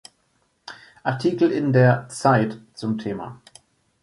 Artikel in der "Zeit" zum Thema